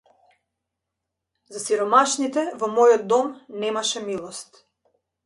За сиромашните во мојот дом немаше милост.